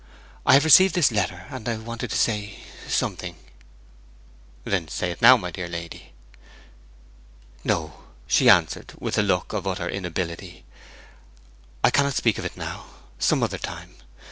I have received this letter, and I wanted to say something.' 'Then say it now, my dear lady.' 'No,' she answered, with a look of utter inability. 'I cannot speak of it now! Some other time.